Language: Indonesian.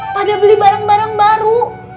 pada beli barang barang baru